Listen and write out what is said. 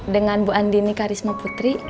dengan bu andi nicarismo putri